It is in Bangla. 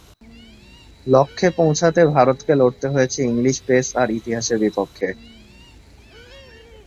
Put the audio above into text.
লক্ষ্যে পৌঁছাতে ভারতকে লড়তে হয়েছে ইংলিশ পেস আর ইতিহাসের বিপক্ষে।